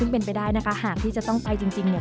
ซึ่งเป็นไปได้นะคะหากพี่จะต้องไปจริงเนี่ย